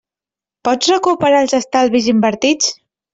Pots recuperar els estalvis invertits?